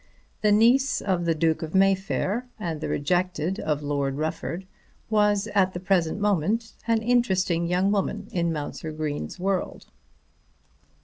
The niece of the Duke of Mayfair, and the rejected of Lord Rufford, was at the present moment an interesting young woman in Mounser Green's world.